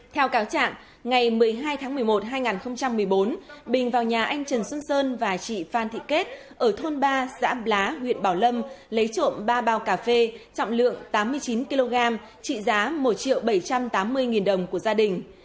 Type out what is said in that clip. theo cáo trạng ngày một mươi hai tháng một mươi một hai nghìn một mươi bốn bình vào nhà anh trần xuân sơn và chị phan thị kết ở thôn ba xã pá huyện bảo lâm lấy trộm ba bao cà phê trọng lượng tám mươi chín kg trị giá một triệu bảy trăm tám mươi nghìn đồng của gia đình